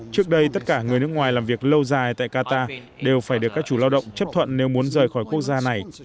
trước đây tất cả người nước ngoài làm việc lâu dài tại qatar đều phải được các chủ lao động chấp thuận nếu muốn rời khỏi quốc gia này